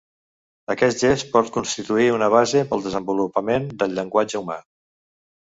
Aquest gest pot constituir una base pel desenvolupament del llenguatge humà.